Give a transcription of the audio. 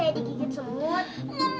ya sakit dikit kak